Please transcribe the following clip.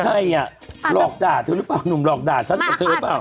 ใครอ่ะหลอกด่าเธอหรือเปล่าหนุ่มหลอกด่าฉันกับเธอหรือเปล่า